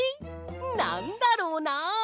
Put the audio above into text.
なんだろうな。